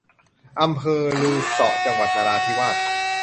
อำเภอรือเสาะ จังหวัดนราธิวาส